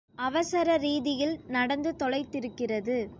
அவசரரீதியில் நடந்து தொலைத்திருக்கிறது?